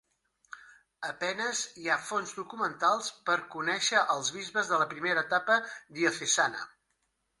A penes hi ha fonts documentals per conèixer als bisbes de la primera etapa diocesana.